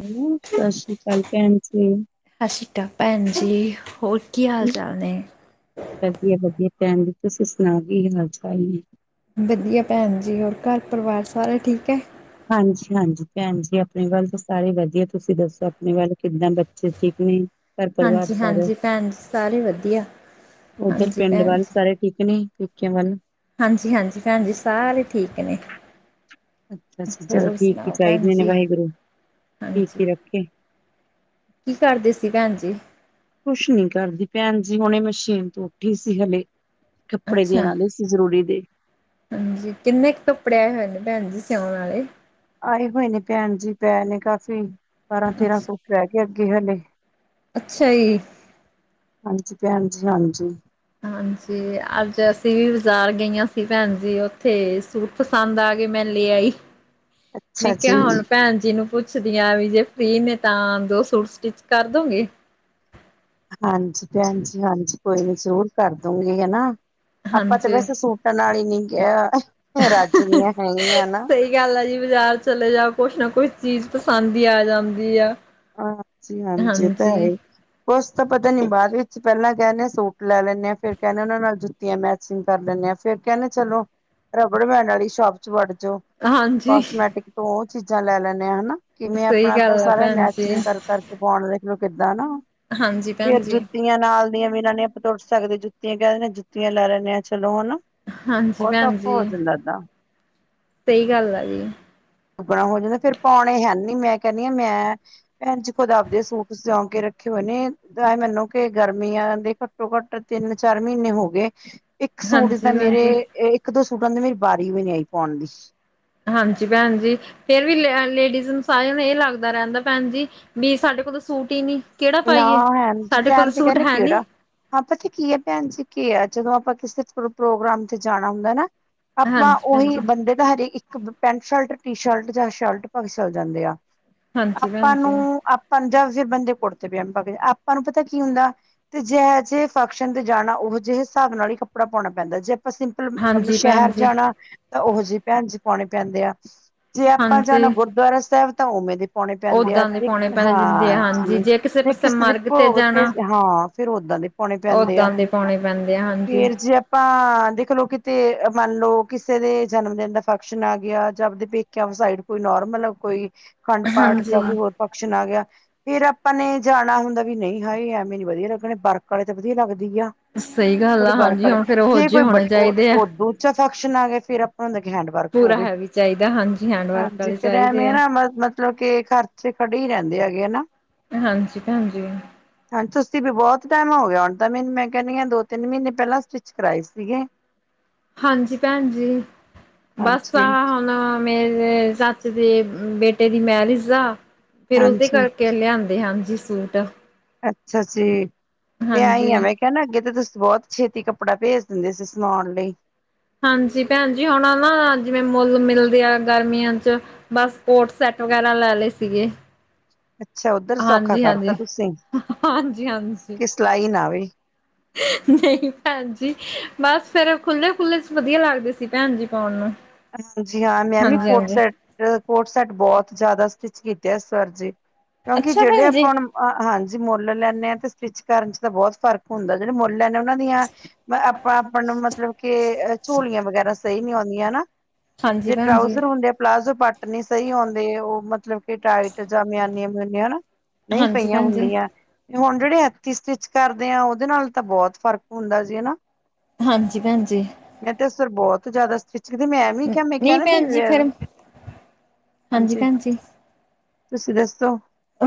Hello ਸ ਸ਼੍ਰੀ ਕਾਲ ਭੈਣ ਜੀ। ਸ ਸ਼੍ਰੀ ਕਾਲ ਭੈਣ ਜੀ ਹੋਰ ਕੀ ਹਾਲ ਚਾਲ ਨੇ? ਵਧੀਆ-ਵਧੀਆ ਭੈਣ ਜੀ ਤੁਸੀਂ ਸੁਣਾਓ ਕੀ ਹਾਲ ਚਾਲ ਨੇ? ਵਧੀਆ ਭੈਣ ਜੀ ਹੋਰ ਘਰ ਪਰਿਵਾਰ ਸਾਰੇ ਠੀਕ ਐ? ਹਾਂਜੀ-ਹਾਂਜੀ ਭੈਣ ਜੀ ਆਪਣੇ ਵੱਲ ਤਾਂ ਸਾਰੇ ਵਧੀਆ ਤੁਸੀਂ ਦੱਸੋ ਆਪਣੇ ਵੱਲ ਕਿੱਦਾਂ ਬੱਚੇ ਠੀਕ ਨੇ? ਘਰ ਪਰਿਵਾਰ ਸਾਰੇ, ਹਾਂਜੀ-ਹਾਂਜੀ ਭੈਣ ਜੀ ਸਾਰੇ ਵਧੀਆ ਉਧਰ ਹਾਂਜੀ ਪਿੰਡ ਭੈਣ ਵੱਲ ਜੀ। ਸਾਰੇ ਠੀਕ ਨੇ ਪੇਕਿਆ ਵੱਲ। ਹਾਂਜੀ-ਹਾਂਜੀ ਭੈਣ ਜੀ ਸਾਰੇ ਠੀਕ ਨੇ। ਅੱਛਾ-ਅੱਛਾ ਚਲੋ ਹੋਰ ਠੀਕ ਏ ਸੁਣਾਓ ਭੈਣ ਚਾਈਦੇ ਨੇ ਜੀ ਵਾਹਿਗੁਰੂ, ਠੀਕ ਹਾਂਜੀ। ਈ ਰੱਖੇ। ਕੀ ਕਰਦੇ ਸੀ ਭੈਣ ਜੀ? ਕੁਛ ਨੀ ਕਰਦੀ ਭੈਣ ਜੀ ਹੁਣੇ ਮਸ਼ੀਨ ਤੋਂ ਉੱਠੀ ਸੀ ਹਲੇ। ਕੱਪੜੇ ਅੱਛਾ ਦੇਣ ਆਲੇ ਸੀ ਜ਼ਰੂਰੀ ਦੇ। ਹਾਂਜੀ ਕਿੰਨੇ ਕ ਕੱਪੜੇ ਆਏ ਹੋਏ ਨੇ ਭੈਣ ਜੀ ਸਿਆਉਣ ਆਲੇ? ਆਏ ਹੋਏ ਨੇ ਭੈਣ ਜੀ ਪਏ ਨੇ ਕਾਫ਼ੀ। ਬਾਰਾਂ-ਤੇਰਾਂ ਸੂਟ ਰਹਿ ਗੇ ਅੱਗੇ ਹਲੇ। ਅੱਛਾ ਜੀ। ਹਾਂਜੀ ਭੈਣ ਜੀ ਹਾਂਜੀ। ਹਾਂਜੀ ਅੱਜ ਅਸੀਂ ਵੀ ਬਾਜ਼ਾਰ ਗਈਆਂ ਸੀ ਭੈਣ ਜੀ ਉੱਥੇ ਸੂ ਟ ਪਸੰਦ ਆ ਗੇ ਮੈਂ ਲੈ, ਆਈ ਮੈਂ ਅੱਛਾ ਜੀ ਕਿਹਾ ਹੁਣ ਭੈਣ ਜੀ ਨੂੰ ਪੁੱ ਪੁਛਦੀਆਂ ਵੀ ਜੇ ਫਰੀ ਨੇ ਤਾਂ ਦੋ ਸੂਟ ਸਟਿਚ ਕਰ ਦੋਗੇ? ਹਾਂਜੀ ਭੈਣ ਜੀ ਹਾਂਜੀ ਕੋਈ ਨੀ ਜ਼ਰੂਰ ਕਰ ਦੋਗੇ ਹਨਾ, ਆਪਾਂ ਤੇ ਹਾਂਜੀ। ਵੈਸੇ ਸੂ ਟ ਨਾਲ ਹੀ ਨੀ ਗੀਆ, ਰੱਜਦੀਆਂ ਹੈਗੀਆਂ ਨਾ। ਹੀ ਗੱਲ ਆ ਜੀ ਬਾਜ਼ਾਰ ਚਲੇ ਜਾਓ ਕੁਛ ਨਾ ਕੁਛ ਚੀਜ਼ ਪਸੰਦ ਹੀ ਆ ਜਾਂਦੀ ਐ। ਹਾਂਜੀ- ਹਾਂਜੀ ਇਹ ਤਾਂ ਹੈ ਈ। ਉਸ ਤੋ ਪਤਾ ਨੀ ਬਾਅਦ ਵਿੱਚ ਪਹਿਲਾਂ ਕਹਿ ਦਿਨੇ ਆ ਸੂਟ ਲੈ ਲੈਂਦੇ ਹਾਂ ਏਰ ਕਹਿੰਦੇ ਉਹ ਨਾਲ ਜੁ ਤੀਆਂ ਮੈਚਿੰਗ ਕਰ ਲੈਂਨੇ ਆ ਫੇਰ ਕਹਿੰਦੇ ਚਲੋ, ਰਬੜ ਬੈਂਡ ਵਾਲੀ ਸ਼ੋਪ ਚ ਵੜ ਜਾਓ। ਹਾਂਜੀ ਕਸਮੈਟਿਕ ਤੋਂ ਉਹ ਚੀਜ਼ਾਂ ਲੈ ਲੈਨੇ ਆ ਹਨਾ, ਕਿਵੇਂ ਸਹੀ ਆਪਣਾ ਤਾਂ ਗੱਲ ਆ ਸਾਰਾ ਭੈਣ ਮੈਚ ਜੀ। ਗਿਂ ਕਰ ਕਰਕੇ ਪਾਉਣ ਦੇਖ ਲਓ ਕਿੱਦਾਂ ਨਾ, ਹਾਂਜੀ ਫੇਰ ਭੈਣ ਜੁੱਤੀ ਜੀ, ਜੁੱਤੀਆਂ ਨਾਲ ਦੀਆਂ ਵੀ ਨਾਂ ਨੇ ਆਪਾਂ ਤੁਰ ਸਕਦੇ, ਜੁੱਤੀਆਂ ਕਹਿ ਦਿੰਦੇ ਆ ਜੁੱਤੀਆਂ ਲੈ ਲੈਂਨੇ ਹਾਂ, ਚਲੋ ਹਨਾ। ਹਾਂਜੀ ਉਹ ਤਾਂ ਭੈਣ ਜੀ ਆਪਾਂ [unintelligible] ਲੈਂਦਾ। ਸਹੀ ਗੱਲ ਆ ਜੀ। ਬੜਾ ਹੋ ਜਾਊਗਾ ਫੇਰ ਪਾਉਣੇ ਹੈ ਨੀ ਮੈ ਕਹਿੰਦੀ ਆ ਮੈਂ ਭੈਣ ਜੀ ਚ ਖੁਦਾਬ ਦੇ ਸੂਟ ਸਿਉ ਕੇ ਰੱਖੇ ਹੋਏ ਨੇ, ਤਾਂ ਮੈਨੂੰ ਕਿ ਗਰਮੀਆਂ ਦੇ ਕਪ ਘਟੋ-ਘੱਟ ਤਿੰਨ -ਚਾਰ ਮਹੀਨੇ ਹੋ ਗਏ, ਇੱਕ ਸੂਟ ਤਾਂ ਹਾਂਜੀ ਭੈਣ ਮੇਰੇ ਜੀ, ਇੱਕ-ਦੋ ਸੂਟਾਂ ਦੀ ਮੇਰੀ ਬਾਰੀ ਵੀ ਨੀ ਆਈ ਪਾਉਣ ਦੀ। ਹਾਂਜੀ ਭੈਣ ਜੀ। ਫੇਰ ਵੀ ਲ ਲੇਡੀਜ਼ ਨੂੰ ਸਾਰਿਆਂ ਨੂੰ ਇਹ ਲੱਗਦਾ ਰਹਿੰਦਾ ਭੈਣ ਜੀ, ਵੀ ਸਾਡੇ ਕੋਲ ਸੂਟ ਹੀ ਨੀ। ਕਿਹੜਾ ਨਾ ਪਾਈਏ ਐਹ ਨ ਜੀ ਸਾਡੇ ਕੋਲ ਟਾਇਮ ਤੇ ਸੂਟ ਕਿਹਦੇ ਹੈ ਨੀ ਕਿਹੜਾ। ਹਾਂ ਪਤਾ ਕੀ ਆ ਭੈਣ ਜੀ ਕੇ ਆ ਜਦੋਂ ਆਪਾਂ ਕਿਸੇ ਪ੍ਰੋਗਰਾਮ ਤੇ ਜਾਣਾ ਹੁੰਦਾ ਨਾ। ਆਪਾਂ ਹਾਂਜੀ ਭੈਣ ਉਹੀ ਜੀ। ਬੰਦੇ ਤਾਂ ਹਜੇ ਇੱਕ ਪੈਂਟ-ਸ਼ਰਟ, ਟੀ-ਸ਼ਰਟ ਜਾਂ ਸ਼ਰਟ ਪਾਕੇ ਚਲੇ ਜਾਂਦੇ ਆ। ਹਾਂਜੀ ਭੈਣ ਆਪਾਂ ਜੀ, ਨੂੰ- ਆਪਾਂ ਨੂੰ ਜਾਂ ਫੇਰ ਬੰਦੇ ਕੁੜਤੇ-ਪਜਾਮੇ ਪਾ ਕੇ ਆਪਾਂ ਨੂੰ ਪਤਾ ਕੀ ਹੁੰਦਾ। ਤੇ ਜੇ ਜਿਹੇ ਫੰਕਸ਼ਨ ਤੇ ਜਾਣਾ, ਉਹ ਜਿਹੇ ਹਿਸਾਬ ਨਾਲ ਹੀ ਕੱਪੜਾ ਪਾਉਣਾ ਪੈਂਦਾ, ਜੇ ਆਪਾਂ ਸਿਪ ਪਲ ਹਾਂਜੀ ਭੈਣ ਸ਼ਹਿਰ ਜੀ, ਜਾਣਾ ਤਾਂ ਉਹੋ ਜਿਹੇ ਭੈਣ ਜੀ ਪਾਉਣੇ ਪੈਂਦੇ ਆ। ਜੇ ਆਪਾਂ ਜਾਣਾ ਹਾਂਜੀ। ਗੁਰਦੁਆਰਾ ਸਾਹਿਬ ਤਾਂ ਉਵੇਂ ਦੇ ਪੌਣੇ ਪੈਂਦੇ ਆ, ਓਦਾਂ ਦੇ ਪਾਉਣੇ ਪੈਣੇ ਦਿੰਦੇ ਆ ਹਾਂ ਹਾਂਜੀ ਜੀ। ਜੇ ਪਾਸੇ ਕਿਸੇ ਦੇ ਮਰਗ ਭੋਗ ਤੇ ਜਾਣਾ ਹਾਂ ਫੇਰ ਓਦਾਂ ਦੇ ਪਾਉਣੇ ਪੈਂਦੇ ਆ, ਓਦਾਂ ਦੇ ਪਾਉਣੇ ਪੈਂਦੇ ਆ ਹਾਂਜੀ, ਫੇਰ ਜੇ ਅਪ ਪਾਂ ਦੇਖ ਲਓ, ਕਿਤੇ ਮੰਨ ਲਓ, ਕਿਸੇ ਦੇ ਜਨਮ ਦਿਨ ਦਾ ਫੰਕਸ਼ਨ ਆ ਗਿਆ ਜਾਂ ਆਪਦੇ ਪੇਕ ਸਾਈਡ ਕੋਈ ਨੋਰਮਲ ਕੋਈ ਖੰਡ ਪਾਠ ਹਾਂਜੀ। ਜਾਂ ਕੋਈ ਹੋਰ ਫੰਕਸ਼ਨ ਆ ਗਿਆ। ਫੇਰ ਆਪਾਂ ਨੇ ਜਾਣਾ ਹੁੰਦਾ ਵੀ ਨਹੀਂ ਹਾਏ ਐਵੇਂ ਨੀ ਵਧੀਆ ਲੱਗਣੇ, ਬਰਕ ਵਾਲੇ ਤਾਂ ਵਧੀਆ ਲੱਗਦੀ ਆ। ਸਹੀ ਗੱਲ ਥੋੜੇ ਆ ਬਰਕ ਹਾਂਜੀ ਆਲੇ ਹੁਣ ਫੇਰ ਉਹੋ ਜੇ ਕੋਈ ਜਿਹੇ ਵੱ ਹੋਣੇ ਚਾਹੀਦੇ ਆ ਉ ਦੋ 'ਚ'ਫੰਕਸ਼ਨ ਆ ਗਿਆ, ਫੇਰ ਅਪ ਹੁੰਦਾ ਕੀ ਹਾ ਵਰਕ ਉਹ ਪੂਰਾ ਵੀ, ਹੈਵੀ ਚਾਹੀਦਾ ਹਾਂਜੀ ਹੈਂਡ ਵਰਕ ਹਾਂਜੀ ਵਾਲੇ ਫੇਰ ਚਾਹੀਦੇ ਐਵੇਂ ਆ ਨਾ ਮ ਮ ਮਤਲਬ ਕੇ ਖਰਚ ਖੜੇ ਹੀ ਰਹਿੰਦੇ ਹੈਗੇ ਹੈਨਾ। ਹਾਂਜੀ ਭੈਣ ਜੀ। ਹਾਂਜੀ ਤੁਸੀਂ ਵੀ ਬੋਹਤ ਟਾਈਮ ਹੋ ਗਿਆ, ਹੁਣ ਤਾਂ ਮੈਨੂੰ ਮੈਂ ਕਹਿੰਦੀ ਹਾਂ ਦੋ-ਤਿੰਨ ਮਹੀਨੇ ਪਹਿਲਾਂ ਸਟਿਚ ਕਰਵਾਏ ਸੀਗੇ। ਹਾਂਜੀ ਭੈਣ ਜੀ, ਬਸ ਆ ਹਾਂਜੀ ਹਾਂ। ਨਾ ਮੇਰੇ ਚਾਚੇ ਦੇ ਬੇਟੇ ਦੀ ਮੈਰਿਜ ਆ, ਫੇਰ ਉਸਦੇ ਹਾਂਜੀ ਕਰ ਕੇ ਲਿਆਦੇ ਹਾਂਜੀ ਸੂਟ। ਅੱਛਾ ਜੀ, ਤੇ ਐ ਈ ਹਾਂਜੀ। ਹੈਗਾ ਕੀ ਕਹਿੰਦਾ ਅੱਗੇ ਤਾਂ ਤੁਸੀਂ ਬਹੋਤ ਛੇਤੀ ਕੱਪੜਾ ਭੇਜ ਦਿੰਦੇ ਸੀ, ਸਮਾਉਣ ਲਈ। ਹਾਂਜੀ ਭੈਣ ਜੀ ਹੁਣ ਨਾ ਜਿਵੇਂ ਮੁੱਲ ਮਿਲਦੇ ਆ, ਗਰਮੀਆਂ 'ਚ'। ਬਸ ਕੋੋਟ ਸੈੱਟ ਵਗੇਰਾ ਲੈ ਲਏ ਸੀਗੇ‌‌। ਅੱਛਾ ਉੱਧਰ ਸੌਖਾ ਕਰਤਾ ਹਾਂਜੀ-ਹਾਂਜੀ, ਹਾਂਜੀ-ਹਾਂਜੀ। ਤਲਾਈ ਨਾ ਆਵੇ। ਨਈ ਭੈਨ ਜੀ। ਬਸ ਫੇਰ ਖੁੱਲੇ-ਖੁੱਲੇ'ਚ'ਵਧੀਆ ਲੱਗਦੇ ਸੀ, ਭੈਨ ਜੀ ਪਾਉਣ ਨੂੰ। ਹਾਂਜੀ ਹਾਂ ਮੈਂ ਵੀ ਹਾਂਜੀ ਕੋਟ ਹਾਂਜੀ ਸੈੱਟ ਟ ਕੋਟ ਸੈੱਟ ਬੋਤ ਜਾਦਾ ਸਟਿਚ ਕੀਤੇ ਆ ਇਸ ਵਾਰ ਜੀ, ਕਿਉਂਕਿ ਅੱਛਾ ਜੇੜੇ ਭੈਣ ਜੀ ਆਪਾਂ ਨੂੰ ਹਾਂਜੀ ਮੁੱਲ ਲੈਂਨੇ ਹਾਂ ਤੇ ਸਟਿੱਚ ਕਰਨ ਚ ਤਾਂ ਬੋਤ ਫ਼ਰਕ ਹੁੰਦਾ, ਜੇੜੇ ਮੁੱਲ ਲੈਨੇ ਉਨਾਂ ਦੀਆਂ ਮ ਆਪਾਂ-ਆਪਾਂ ਨੂੰ ਮਤਲਬ ਕੇ ਝੋਲੀਆਂ ਵਗੈਰਾ ਸਹੀ ਨੀ ਆਉਂਦੀਆਂ ਹਨਾ। ਹਾਂਜੀ ਜੇ ਭੈਣ ਜੀ ਟਰਾਊਜ਼ਰ ਹੁੰਦੇ ਆ, ਪਲਾਜ਼ੋ ਪਾਟ ਟ ਨਈ ਸਈ ਹੂਂਦੇ, ਉ ਮਤਲਬ ਕਿ ਟਾਈਟ ਜਾਂ ਮਿਆਨੀਆਂ-ਮਉਨੀਆਂ ਹਨਾ ਨਈ ਹਾਂਜੀ ਪਈਆ ਭੈਣ ਜੀ ਹੁੰਦੀਆਂ ਹੁਨ ਜੇੜੇ ਹੱਥੀ ਸਟਿੱਚ ਕਰਦੇ ਆ, ਉਦੇ ਨਾਲ ਤਾਂ ਬੋਤ ਫ਼ਰਕ ਹੁੰਦਾ ਜੀ ਹਨਾ। ਹਾਂਜੀ ਭੈਨ ਜੀ। ਮੈਂ ਤੇ ਇਸ ਵਾਰ ਬੋਤ ਜਾਦਾ ਸਟਿਚ ਮੈਂ ਵੀ ਕਿਆ, ਮੈਂ ਕਿਆ ਨਹੀਂ ਨਾ ਭੈਣ ਜੀ ਮੇਰੇ, ਫੇਰ ਹਾਂਜੀ। ਭੈਣ ਜੀ ਤੁਸੀਂ ਦੱਸੋ।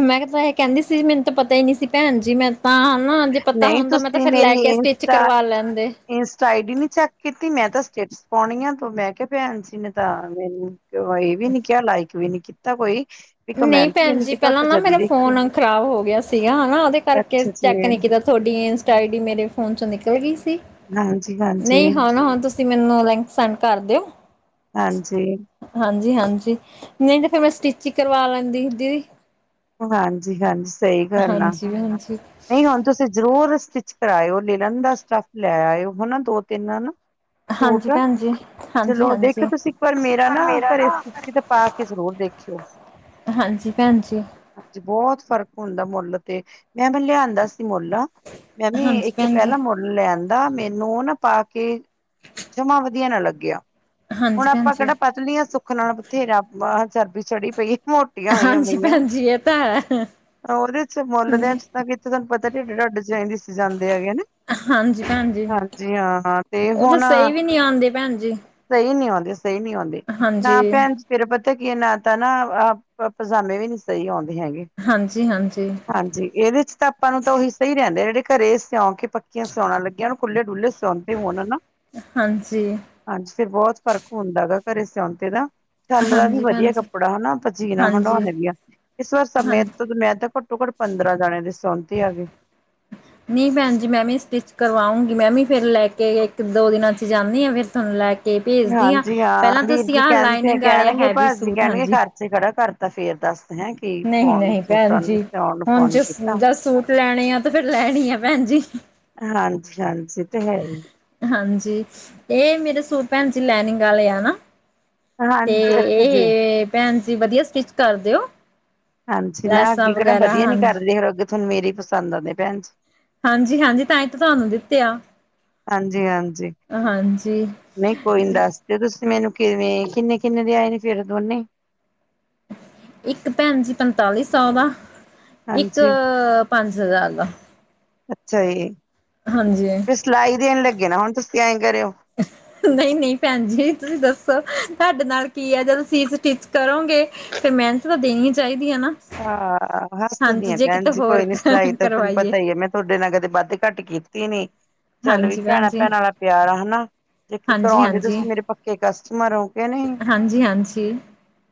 ਮੈਂ ਕਿਆ ਤਾਂ ਐ ਕੈਂਦੀ ਸੀ ਤਾਂ ਪਤਾ ਨੀ ਸੀ ਭੈਨ ਜੀ ਮੈਂ ਤਾਂ ਹਨਾ ਜੇ ਪਤਾ ਨਹੀਂ ਹੁੰਦਾ ਮੈਂ ਤੇ ਫੇਰ ਲੈ ਕੇ ਸਟਿਚ ਕਰਵਾ ਲੈਂਦੇ। ਇਨਸਟਾ ਆਈ ਡੀ ਨੀ ਚੈੱਕ ਕੀਤੀ, ਮੈਂ ਤਾਂ ਸਟੇਟਸ ਪਾਉਣੀ ਆ ਤ ਮੈਂ ਕਿਹਾ ਭੈਨ ਸੀ ਨੇ ਤਾਂ ਮੈਨੂੰ ਵੀ ਨੀ ਕਿਆ, ਲਾਈਕ ਵੀ ਨੀ ਕੀਤਾ ਕੋਈ ਵੀ ਨਈ ਕਮੈਂਟ ਵੀ ਭੈਨ ਨੀ ਜੀ ਕੀਤਾ ਉਹ ਪੈਲਾਂ ਤਾਂ ਨਾ ਜਦੀ ਮੇਰਾ ਦੇਖਿਆ ਫੋਨ ਖ਼ਰਾਬ ਹੋ ਗਿਆ ਸੀਗਾ ਹਨਾ ਉਦੇ ਕਰਕੇ ਅੱਛਾ ਚੈੱਕ ਜੀ ਨੀ ਕੀਤਾ। ਤੁਹਾਡੀ ਇੰਸਟਾ ਆਈ ਡੀ ਮੇਰੇ ਫੋਨ ਚ ਨਿਕਲ ਗਈ ਸੀ, ਹਾਂਜੀ ਨਈ ਹਾਂਜੀ ਹਾਂ-ਹਾਂ ਤੁ ਤੁਸੀਂ ਮੈਨੂੰ ਲਿੰਕ ਸੈਂਡ ਕਰ ਦਿਓ। ਹਾਂਜੀ। ਹਾਂਜੀ-ਹਾਂਜੀ ਨਈ ਤੇ ਫੇਰ ਮੈਂ ਸਟਿਚ ਕਰਵਾ ਲੈਂਦੀ ਦੀਦੀ ਹਾਂਜੀ-ਹਾਂਜੀ ਸਈ ਗੱਲ ਆ। ਹਾਂਜੀ ਭੈਣ ਜੀ ਨਈ ਹੁਨ ਤੁਸੀਂ ਜ਼ਰੂਰ ਸਟਿਚ ਕਰਾਓ ਲਿਲਨ ਦਾ ਸਟਫ ਲੈ ਆਇਓ ਹਨਾ ਦੋ, ਤਿੰਨ ਹਨਾ ਸੂਟ, ਹਾਂਜੀ ਭੈਣ ਜੀ ਚਲੋ ਹਾਂਜੀ ਦੇਖਿ ਹਾਂਜੀ ਤੁਸੀਂ ਇੱਕ ਵਾਰ ਮੇਰਾ ਪਰ ਨਾ ਘਰੇ ਸ ਤੇ ਪਾ ਕੇ ਜ਼ਰੂਰ ਦੇਖੀ ਕੋ [unintelligible] ਹਾਂਜੀ ਭੈਨ ਜੀ। ਬੋਹਤ ਫ਼ਰਕ ਹੁੰਦਾ ਮੋਲ ਤੇ, ਮੈ ਵੀ ਲਿਆਂਦਾ ਸੀ ਮੋਲ ਮੈਂ ਵੀ ਹਾਂਜੀ ਏਕ ਭੈਣ ਜੀ ਪੈਲਾਂ ਮੋਲ ਲਿਆਂਦਾ ਮੈਨੂੰ ਉ ਨਾ ਪਾ ਕੇ, ਜਮਾਂ ਵਧੀਆ ਨਾ ਲੱਗਿਆ। ਹੁਨ ਹਾਂਜੀ ਭੈਣ ਆਪਾਂ ਜੀ ਕੇੜਾ ਪਤਲੀਆਂ ਸੁੱਖ ਨਾਲ ਬਥੇਰਾ ਚਰਬੀ ਚੜੀ ਪਈ ਏ। ਮੋਟੀਆਂ ਹੋਈਆਂ ਹਾਂਜੀ ਪਈਆਂ, ਭੈਣ ਜੀ ਇਹ ਤਾਂ ਹੈ ਉਦੇ ਚ ਮੁੱਲਦਿਆਂ ਹਾਂਜੀ ਤਾਂ ਕਿੱਥੇ ਤੁਹਾਨੂੰ ਪਤਾ ਢਿੱਡ ਢਾਡ ਜੇ ਆਈ ਦਿੱਖ ਜਾਂਦੇ ਹੈਗੇ ਨੇ। ਹਾਂਜੀ ਭੈਣ ਜੀ ਹਾਂਜੀ ਹਾਂ ਤੇ ਉਹ ਤਾਂ ਹੁਨ ਸਹੀ ਵੀ ਨਹੀਂ ਆਉਂਦੇ ਭੈਣ ਜੀ ਸਈ ਨੀ ਆਉਂਦੇ ਸਈ ਨ ਆਉਂਦੇ ਨਾ ਹਾਂਜੀ, ਭੈਣ ਫੇਰ ਪਤਾ ਕੀ ਨਾ ਤਾਂ ਨਾ ਪਜਾਮੇ ਵੀ ਨੀ ਸਈ ਆਉਂਦੇ ਹੈਗੇ। ਹਾਂਜੀ-ਹਾਂਜੀ। ਹਾਜੀ ਏਦੇ ਤਾਂ ਆਪਾਂ ਨੂੰ ਤਾਂ ਉਹੀ ਸਈ ਰੈਂਦੇ ਆ ਜੇੜੇ ਘਰੇ ਸਿਉਂ ਕੇ ਪੱਕੀਆਂ ਸਿਆਉਣਾ ਲੱਗੀਆਂ ਹੋਣ। ਉ ਖੁੱਲੇ ਡੁੱਲੇ ਸਿਉਂਤੇ ਹੋਨ ਨਾ। ਹਾਂਜੀ। ਹਾਂਜੀ ਫਿਰ ਬਹੁਤ ਫ਼ਰਕ ਹੁੰਦਾ ਗਾ ਘਰੇ ਸਿਆਉਂਤੇ ਦਾ। ਛੱਲ ਦਾ ਵੀ ਹਾਂਜੀ ਭੈਣ ਵਧੀਆ ਜੀ। ਕੱਪੜਾ ਹਨਾ। ਆਪਾ ਜੀਨਾ ਹਾਂਜੀ, ਹੰਡਾਉਣੇ ਵੀ ਆਣੇ ਇਸ ਵਾਰ ਸਮੇਂ ਹਾਂਜੀ। ਤੋਂ ਮੈਂ ਤਾਂ [unintelligible] ਪੰਦਰਾਂ ਜਾਣੇ ਦੀ ਸੇਓਤੇ ਆ ਗੇ। ਨੀ ਪੈਨ ਜੀ ਮੈਂ ਵੀ ਸਟੀਚ ਕਰਵਾਉਂਗੀ ਮੈਂ ਵੀ ਫੇਰ ਲੈ ਕੇ ਇਕ-ਦੋ ਦਿਨਾਂ ਚ ਜਾਂਨੀ ਆਂ ਫੇਰ ਧੋਨੂੰ ਲੈ ਕੇ ਕੇ ਭੇਜਦੀ ਆਂ, ਹਾਂਜੀ ਪੈਂਲਾਂ ਹਾਂ ਵੀਰ ਤੁਸੀਂ ਜੀ ਆ ਲਾਈਨੀਂਗ ਵਾਲੇ ਹੈਵੀ ਸੂਟ ਹਾਂਜੀ। ਤੇ ਖੜਾ ਕਰਤਾ ਫੇਰ ਦੱਸਦੇ ਹੈਂ ਕੀ ਫੋਨ ਨਹੀ-ਨਹੀ ਭੈਣ ਸੂਟਾਂ ਜੀ, ਨੂੰ ਸਿਉਣ ਨੂੰ ਹੁਣ ਫੋਨ ਜੇ ਕੀਤਾ ਜ ਸੂਟ ਲੈਣੇ ਆ ਤੇ ਫੇਰ ਲੈਣੀ ਆ ਭੈਣ ਜੀ। ਹਾਂਜੀ-ਹਾਂਜੀ ਤੇ ਹੈ ਈ। ਹਾਂਜੀ ਏ ਮੇਰੇ ਸੁ ਭੈਣ ਜੀ ਲੈਨਿੰਗ ਵਾਲੇ ਆ ਨਾ। ਤੇ ਹਾਂਜੀ ਅੱਛਾ ਜੀ ਇਹ ਭੈਣ ਜੀ ਵਦੀਆ ਸਟੀਚ ਕਰ ਦੇਓ। ਹਾਂਜੀ ਨਾ ਅੱਗੇ ਕੇੜਾ ਵਦੀਆ ਨੀ ਹਾਂਜੀ ਕਰੇ ਅੱਗੇ ਤੁਥਾਨੂੰ ਮੇਰੇ ਈ ਪਸੰਦ ਆਂਦੇ ਭੈਣ ਜੀ। ਹਾਂਜੀ-ਹਾਂਜੀ ਤਾਂ ਈ ਤਾਂ ਤੁਆਨੂੰ ਦਿਤੇਆ, ਹਾਂਜੀ। ਨਈ ਕੋਈ ਨੀ ਦੱਸ ਦੇਓ ਤੁਸੀਂ ਮੈਨੂੰ ਕੇਵੇਂ, ਕਿੰਨੇ-ਕਿੰਨੇ ਦੇ ਆਏ ਨੇ ਫੇਰ ਦੋਨੇ ਈ? ਇਕ ਭੈਨ ਜੀ ਪੰਤਾਲੀ ਸੌ ਦਾ, ਇਕ, ਹਾਂਜੀ ਪੰਜ ਹਜ਼ਾਰ ਦਾ। ਅੱਛਾ ਜੀ। ਹਾਂਜੀ। ਫੇ ਸਲਾਈ ਦੇਣ ਲੱਗੇ ਨਾ ਹੁਨ ਤੁਸੀਂ ਐਏਂ ਕਰੇਓ। [inaudible] ਨਈ-ਨਈ ਭੈਣ ਜੀ ਤੁਸੀਂ ਦੱਸੋ ਧਾਡੇ ਨਾਲ ਕੀ ਐ ਜਦ ਤੁਸੀਂ ਸਟੀਚ ਕਰੋਗੇ ਫੈ ਮੈਨਤ ਤਾਂ ਦੇਣੀ ਚਾਈਦੀ ਏ ਨਾ। ਆ ਹੱਸਦੀ ਹਾਂਜੀ ਆਂ ਜੇ ਭੈਣ ਕਿਤੇ ਜੀ ਹੋਰ ਕੋਈ ਨੀ ਸਿਲਾਈ ਤਾਂ ਤੈਨੂੰ ਕਰਵਾਈਏ ਪਤਾ ਈ ਏ ਮੈਂ ਟੋਡੇ ਨਾਲ ਕਦੇ ਵੱਧ-ਘੱਟ ਕੀਤੀ ਨੀ ਚੱਲ ਵੀ ਹਾਂਜੀ ਭੈਣ ਜੀ ਭੈਣਾਂ-ਭੈਣਾਂ ਵਾਲਾ ਪਿਆਰ ਆ ਹਨਾ। ਜੇ ਕੇ ਕਰਾਉਦੇ ਹਾਂਜੀ-ਹਾਂਜੀ ਤੁਸੀਂ ਮੇਰੇ ਪੱਕੇ ਕਸਟਮਰ ਓ, ਕੇ ਨਈ। ਹਾਂਜੀ-ਹਾਂਜੀ ਹਾਂਜੀ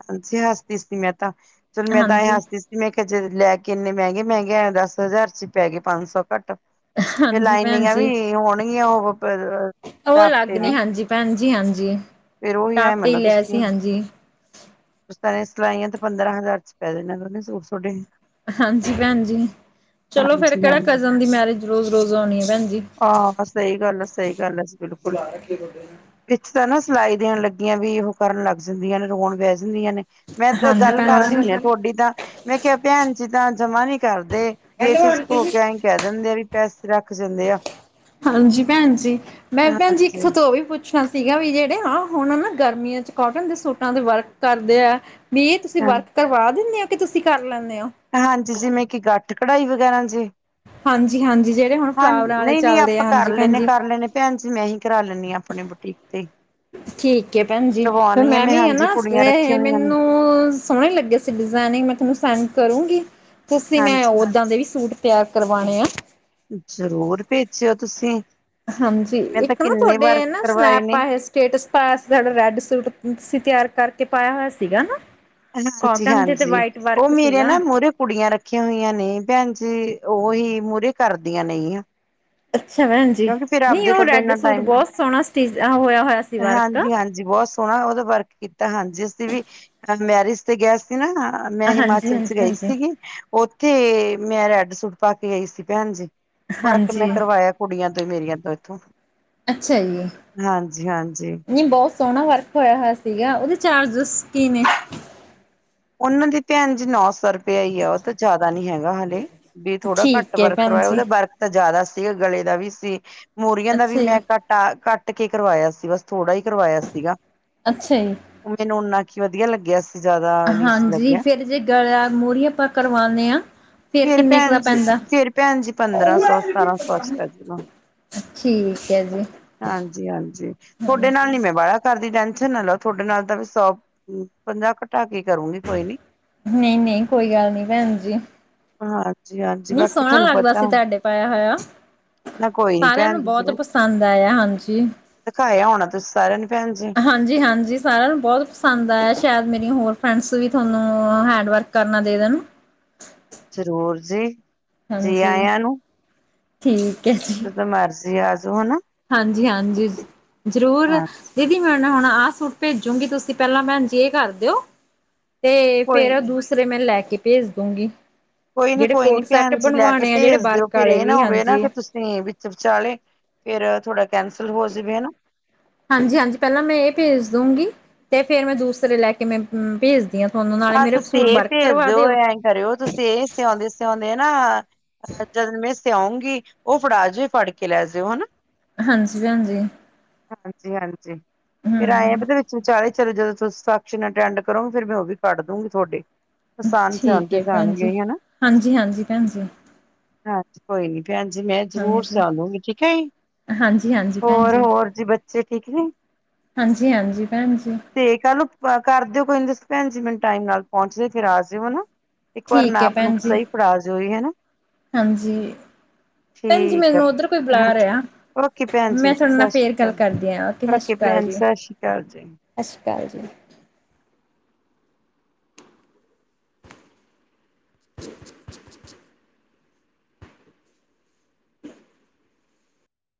ਹਾਂਜੀ ਹੱਸਦੀ ਸੀ ਮੈਂ ਤਾਂ, ਚਲੋ ਮੈਂ ਤਾਂ ਇਹ ਹਾਂਜੀ ਹਾਂਜੀ ਹੱਸਦੀ ਸੀ ਮੈਂ ਕੇਆ ਜੇ ਲੈ ਕੇ ਏਨੇ ਮੈਂਗੇ-ਮੈਂਗੇ ਆਏ ਦਸ ਹਜ਼ਾਰ ਚ ਪੈ ਗਏ ਪਾ ਸੌ ਘੱਟ। ਫੇਰ ਹਾਂਜੀ ਭੈਣ ਲਾਈਨੀਂਗਾਂ ਵੀ ਹੋਣਗੀਆਂ ਉਹੋ [unintelligible] ਓ ਅਲੱਗ ਨੇ ਹਾਂਜੀ ਭੈਣਜੀ ਹਾਂਜੀ, ਟਾਪਟੀ ਲੈ ਸੀ ਹਾਂਜੀ। ਓ ਤਰਾਂ ਸਲਾਈਆਂ ਤੇ ਪੰਦਰਾਂ ਹਜ਼ਾਰ ਚ ਪੈ ਜਾਣੇਆ ਦੋਨੋ ਸੂਟ ਸੋਡੇ। ਹਾਂਜੀ ਭੈਣ ਜੀ, ਚਲੋ ਫੇਰ ਹਾਂਜੀ ਕੇੜਾ ਹਾਂਜੀ। ਕਜ਼ਨ ਦੀ ਮੈਰਿਜ ਰੋਜ਼-ਰੋਜ਼ ਔਨੀ ਆ ਭੈਣ ਜੀ। ਆ ਸਈ ਗੱਲ ਆ ਸਈ ਗੱਲ ਜੀ ਬਿਲਕੁਲ। [unintelligible] ਵਿਚ ਤਾਂ ਨਾ ਸਲਾਈ ਦੇਣ ਲੱਗੀਆਂ ਵੀ ਏਹੋ ਕਰਨ ਲੱਗ ਜਾਂਦੀਆਂ ਨੇ ਰੋਣ ਬੈ ਜਾਂਦੀਆਂ ਨੇ। ਮੈਂ ਤੇ ਹਾਂਜੀ ਗੱਲ ਕਰਦੀ ਭੈਣ ਜੀ। ਹੁੰਦੀ ਆ ਤੋਡੀ ਤਾਂ, ਮੈਂ ਕੇਆ ਭੈਣ ਜੀ ਤਾਂ ਜਮਾ ਨੀ ਕਰਦੇ, ਹੈਲੋ ਆਂਟੀ ਜੀ। [unintelligible] ਕੈ ਦਿੰਦੇ ਆ ਵੀ ਪੈਸੇ ਰੱਖ ਜਾਂਦੇ ਆ। ਹਾਂਜੀ ਭੈਣ ਜੀ, ਮੈਂ ਭੈਣ ਜੀ ਇਕ ਹਾਂਜੀ ਸੋਥੋ ਓਵੀ ਪੁ ਛਨਾ ਸੀਗਾ ਵੀ ਜੇੜੇ ਆ ਹੁਣ ਨਾ ਗਰਮੀਆਂ ਚ ਕੋਟਨ ਦੇ ਸੂਟਾਂ ਦੇ ਵਰਕ ਕਰਦੇ ਆ ਵੀ ਏ ਤੁਸੀਂ ਹਾਂ ਵਰਕ ਕਰਵਾ ਦਿਨੇ ਉ ਕੇ ਤੁਸੀਂ ਕਰ ਲੈਂਨੇ ਓ? ਹਾਂਜੀ ਜਿਵੇਂ ਕਿ ਗੱਠ ਕਢਾਈ ਵਗੈਰਾ ਜੀ? ਹਾਂਜੀ-ਹਾਂਜੀ ਜਿਹੜੇ ਹੁਣ ਹਾਂ ਫਲਾਵਰਾਂ ਵਾਲੇ ਨਈ ਨੀ ਚੱਲਦੇ ਆ ਆਪਾਂ ਕਰ ਹਾਂਜੀ ਭੈਣ ਲਈਨੇ ਜੀ ਕਰ ਲਈਨੇ ਭੈਣ ਜੀ ਮੈਂ ਹੀ ਕਰਾ ਲੈਂਨੀ ਆ ਆਪਨੀ ਬੁਟੀਕ ਤੇ ਈ। ਠੀਕ ਏ ਭੈਣ ਜੀ, ਫੇਰ ਮੈਂ ਵੀ ਅਨਾ ਹਾਂਜੀ ਕੁੜੀਆਂ ਇਹ, ਰੱਖੀਆਂ ਹੋਈਆਂ ਨੇ ਮੇਨੂੰ ਸੋਣੇ ਲੱਗੇ ਸੀ ਡਿਜ਼ਾਇਨਿੰਗ ਮੈਂ ਥੋਨੂੰ ਸੈਂਡ ਕਰੂੰਗੀ ਤੁਸੀਂ ਮੈਂ ਹਾਂਜੀ ਓਦਾਂ ਦੇ ਵੀ ਸੂਟ ਤੇਆਰ ਕਰਵਾਣੇ ਆਂ। ਜ਼ਰੂਰ ਭੇਜੇਓ ਤੁਸੀਂ। ਹਾਂਜੀ, ਮੈਂ ਤਾਂ ਇਕ ਨਾ ਕਿੰਨੇ ਧੋਡੇ ਵਾਰ ਏ ਨਾ ਕਰਵਾਏ ਸਨੈਪ ਨੇ ਪਾਏ ਹੋਏ ਸੀ। ਸਟੇਟਸ ਪਾਏਆ ਸੀ ਥੋਡੇ ਰੈਡ ਸੂਟ ਤੁਸੀ ਤੇਆਰ ਕਰਕੇ ਪਾਏਆ ਹੋਏਆ ਸੀਗਾ ਹਾਂ। ਹਾਂਜੀ ਹਾਂਜੀ ਉਹ ਮੇਰੇ ਸੀਗਾ ਨਾ ਮੂਹਰੇ ਕੁੜੀਆਂ ਰੱਖੀਆਂ ਹੋਈਆਂ ਨੇ ਭੈਨ ਜੀ ਉਹੀ ਮੂਹਰੇ ਕਰਦੀਆ ਨੇ ਗਿਆਂ ਅੱਛਾ ਭੈਣ ਜੀ ਨਹੀਂ ਉਹ ਤਾਂ ਰੈਡ ਇੰਨਾ ਸੂਟ ਟਾਈਮ ਬਹੁਤ ਸੋਹਣਾ ਸਟਿ ਹੋਇਆ ਹੋਇਆ ਸੀ ਵਰਕ ਜੀ ਬਹੁਤ ਸੋਹਣਾ ਉਹਦਾ ਵਰਕ ਕੀਤਾ ਹਾਂਜੀ ਅਸੀਂ ਵੀ ਅ ਮੈਰਿਜ ਤੇ ਗਿਆ ਸੀ ਨਾ ਮੈਂ ਹਾਂਜੀ ਹਿਮਾਚਲ ਚ ਹਾਂਜੀ ਗਈ ਭੈਣ ਜੀ ਸੀਗੀ ਉੱਥੇ ਮੈਂ ਰੈਡ ਸੂਟ ਪਾ ਕੇ ਆਈ ਸੀ ਭੈਣ ਜੀ ਵਰਕ ਮੈਂ ਹਾਂਜੀ ਕਰਵਾਇਆ ਕੁੜੀਆਂ ਤੋਂ ਮੇਰੀਆਂ ਤੋਂ ਇੱਥੋਂ ਅੱਛਾ ਈ ਹਾਂਜੀ-ਹਾਂਜੀ। ਨੀ ਬਹੁਤ ਸੋਹਣਾ ਵਰਕ ਹੋਇਆ ਹੋਇਆ ਸੀਗਾ ਉਹਦੇ ਚਾਰਜਿਸ ਕੀ ਨੇ ਉਹਨਾਂ ਦੀ ਭੈਣ ਜੀ ਨੌ ਸੌ ਰੁ ਪਿਆ ਈ ਆ ਉਹ ਤਾਂ ਜ਼ਿਆਦਾ ਨੀ ਹੈਗਾ ਹਾਲੇ ਵੀ ਕੇ ਥੋੜਾ ਘੱਟ ਠੀਕ ਹੈ ਵਰਕ ਭੈਣ ਕਰਵਾਇਆ ਜੀ ਉਹਦਾ ਵਰ ਤਾ ਜ਼ਿਆਦਾ ਸੀ ਗਲੇ ਦਾ ਵੀ ਸੀ ਮੋਰੀਆਂ ਦਾ ਵੀ ਅੱਛਾ ਜੀ ਮੈਂ ਘੱ ਟਾ ਕੱਟ ਕੇ ਕਰਵਾਇਆ ਸੀ ਬਸ ਥੋੜ੍ਹਾ ਹੀ ਕਰਵਾਇਆ ਸੀਗਾ ਅੱਛਾ ਈ ਉਹ ਮੈਨੂੰ [unintelligible] ਓਨਾ ਕੀ ਵਧੀਆ ਲੱਗਿਆ ਸੀ ਜ਼ਿਆਦਾ ਨਹੀਂ ਸੀ ਹਾਂਜੀ ਲੱਗਿਆ ਫਿਰ ਜੇ ਗਲਾ ਮੂਹਰੀ ਆਪਾਂ ਕਰਵਾਉਨੇ ਆਂ ਫੇਰ ਭੈਨ ਜੀ ਫੇਰ ਭੈਨ ਜੀ ਪੰਦਰਾਂ ਸੌ ਸਤਾਰਾਂ ਸੌ ਚ ਪੈਜੂਗਾ ਠੀਕ ਹੈ ਜੀ ਹਾਂਜੀ ਹਾਂਜੀ ਥੋਡੇ ਹਾਂਜੀ ਨਾਲ ਨੀ ਮੈਂ ਬਾਲਾ ਕਰਦੀ ਟੈਨਸ਼ਨ ਨਾ ਲਓ ਥੋਡੇ ਨਾਲ ਤਾਂ ਸੌ ਪੰਜਾਹ ਘਟਾ ਕੇ ਕਰੂ ਨਹੀਂ ਨਹੀਂ ਕੋਈ ਗੱਲ ਨੀ ਭੈਨ ਜੀ ਹਾਂਜੀ ਹਾਂਜੀ ਨੀ ਬਾਕੀ ਸੋਹਣਾ ਤੁਹਾਨੂੰ ਲੱਗਦਾ ਪਤਾ ਸੀ ਤੁਹਾਡੇ ਪਾਇਆ ਹੋਇਆ ਨਾ ਕੋਈ ਨੀ ਸਾਰਿਆਂ ਭੈਣ ਨੂੰ ਬਹੁਤ ਪਸੰਦ ਆਇਆ ਹਾਂਜੀ ਦਖਾਇਆ ਹੋਣਾ ਤੁਸ ਸਾਰਿਆਂ ਨੂੰ ਭੈਨ ਜੀ ਹਾਂਜੀ ਹਾਂਜੀ ਸਾਰਿਆਂ ਨੂੰ ਬਹੁਤ ਪਸੰਦ ਆਇਆ ਸ਼ਾਇਦ ਮੇਰੀਆਂ ਹੋਰ ਫਰੈਂਡਸ ਵੀ ਤੁਹਾਨੂੰ ਹੈਂਡ ਵਰਕ ਕਰਨਾ ਦੇ ਦੇਣ ਜ਼ਰੂਰ ਜੀ ਜੀ ਹਾਂਜੀ ਆਇਆ ਨੂੰ ਠੀਕ ਹੈ ਜ ਜਦੋ ਮਰਜ਼ੀ ਆ ਜੋ ਹਨਾ ਹਾਂਜੀ ਹਾਂਜੀ ਜ਼ਰੂਰ ਹਾਂ ਦੀਦੀ ਮੈਂ ਨਾ ਹੁਣ ਹੁਣ ਆਹ ਸੂਟ ਭੇਜੁੰਗੀ ਤੁਸੀਂ ਪਹਿਲਾਂ ਭੈਣਜੀ ਇਹ ਕਰ ਦਿਓ ਤੇ ਕੋਈ ਫ਼ਿਰ ਨੀ ਦੂਸਰੇ ਮੈਂ ਲੈ ਕੇ ਭੇਜ ਦੁੰਗੀ ਕੋਈ ਨੀ ਕੋਈ ਨੀ ਭੈਨ ਜੀ ਲੈ ਕੇ ਭੇਜ ਦਿਓ ਵਰਕ ਫ਼ਿਰ ਵਾਲੇ ਇਹ ਨਾ ਵੀ ਹੋਵੇ ਨਾ ਹਾਂਜੀ ਕਿ ਤੁ ਤੇ ਵਿੱਚ ਵਿਚਾਲੇ ਫੇਰ ਥੋੜਾ ਕੈਂਸਲ ਹੋ ਜਵੇ ਹਨਾ ਹਾਂਜੀ ਹਾਂਜੀ ਪਹਿਲਾਂ ਮੈਂ ਇਹ ਭੇਜ਼ ਦੁੰਗੀ ਤੇ ਫੇਰ ਮੈਂ ਦੂਸਰੇ ਲੈ ਕੇ ਮੈ ਮੈ ਭੇਜ਼ ਆਂ ਤੁਹਾਨੂੰ ਨਾਲੇ ਆਹ ਮੇਰੇ ਤੁਸੀਂ ਸੂਟ ਇਹ ਵਰਕ ਭੇਜ ਕਰਵਾ ਦਿਓ ਐਂ ਕਰਿਓ ਤੁਸੀਂ ਇਹ ਸਿਆਉਂਦੇ ਸਿਆਉਂਦੇ ਨਾ ਜਦ ਮੈਂ ਸਿਓਉਂਗੀ ਉਹ ਫੜਾ ਜੀ ਉਹ ਫੜ ਕੇ ਲੈ ਜਿਓ ਹਨਾ ਹਾਂਜੀ ਭੈਨ ਜੀ ਹਾਂਜੀ ਹਾਂਜੀ ਫੇਰ ਆਏਂ ਹੂੰ ਆ ਵਿੱਚ ਵਿਚਾਲੇ ਚਲੋ ਜਦੋਂ ਤੁਸੀ ਸੈਕਸ਼ਨ ਅਟੈਂਡ ਕਰੋਗੇ ਫ਼ਿਰ ਮੈਂ ਉਹ ਵੀ ਕੱਢ ਦੂਗੀ ਥੋਡੇ ਆਸਾਨ ਠੀਕ ਸਿਉਣਤੇ ਹੈ ਭੈਣ ਜਾਣਗੇ [unintelligible] ਜੀ ਹਨਾ ਹਾਂਜੀ-ਹਾਂਜੀ ਭੈਣ ਜੀ ਹਾਂਜੀ ਕੋਈ ਨੀ ਭੈਨਜੀ ਮੈਂ ਜ਼ਰੂਰ ਹਾਂਜੀ ਸਿਓਂਦੁੰਗੀ ਠੀਕ ਹੈ ਈ ਹਾਂਜੀ-ਹਾਂਜੀ ਭੈਣ ਹੋਰ ਹੋਰ ਜੀ ਬੱਚੇ ਠੀਕ ਨੇ ਹਾਂਜੀ ਹਾਂਜੀ ਭੈਨ ਜੀ ਤੇ ਕੱਲ ਨੂੰ ਕਰ ਦਿਓ ਕਈ ਤੁਸੀ ਨੀ ਭੈਣ ਜੀ ਮੈਨੂੰ ਟਾਈਮ ਨਾਲ ਫੋਨ ਫਿਰ ਤੁਸੀ ਆ ਜਾਓ ਹਨਾ। ਇੱਕ ਵਾਰ ਠੀਕ ਹੈ ਨਾਪ-ਨੂਪ ਭੈਣ ਜੀ ਸਹੀ ਫੜਾ ਜੋ ਈ ਹਨਾ। ਹਾਂਜੀ ਭੈਣ ਜੀ ਠੀਕ ਆ ਮੈਨੂੰ ਉੱਧਰ ਕੋਈ ਏ ਬੁਲਾ ਹਾਜੀ। ਰਿਹਾ ਓਕੇ ਭੈਣ ਜੀ, ਮੈਂ ਓਕੇ ਤੁਹਾਡੇ ਨਾਲ ਸਤਿ ਫੇਰ ਸ਼੍ਰੀ ਗੱਲ ਅਕਾਲ, ਕਰਦੀ ਹਾਂ ਸਤਿ ਓਕੇ ਸ਼੍ਰੀ ਅਕਾਲ ਭੈਣ ਜੀ ਸਤਿ ਸ਼੍ਰੀ ਅਕਾਲ ਜੀ। ਸਤਿ ਸ਼੍ਰੀ ਅਕਾਲ ਜੀ। [inaudible]